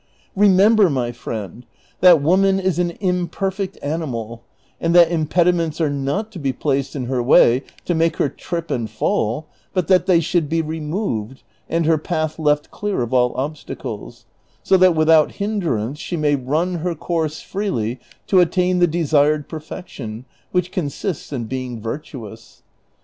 Remember, my friend, that woman is an imperfect animal, and that impedi ments are not to be placed in her way to make her trip and fall, but that they should be removed, and her path left clear of all obstacles, so that without hinderance she may run her course freely to attain the desired perfection, which consists in being virtuous.